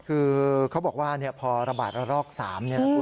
คือเขาบอกว่าพอระบาดระลอก๓คุณ